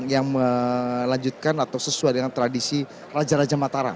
yang melanjutkan atau sesuai dengan tradisi raja raja mataram